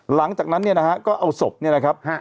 หลังจากนั้นเนี่ยนะฮะก็เอาศพเนี่ยนะครับ